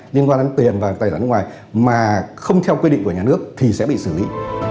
liên quan đến tiền và tài sản nước ngoài mà không theo quy định của nhà nước thì sẽ bị xử lý